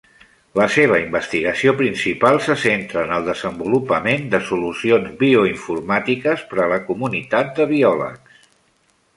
La seva investigació principal se centra en el desenvolupament de solucions bioinformàtiques per a la comunitat de biòlegs.